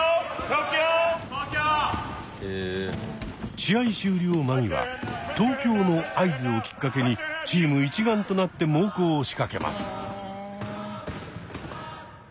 試合終了間際「東京」の合図をきっかけにチーム一丸となって猛攻を仕掛けます。